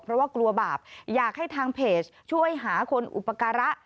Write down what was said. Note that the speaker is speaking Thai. เพราะว่ากลัวบาปอยากให้ทางเพจช่วยหาคนอุปการะ